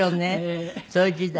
そういう時代。